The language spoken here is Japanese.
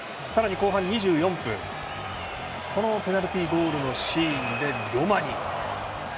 後半２４分、ペナルティゴールのシーンでロマニ。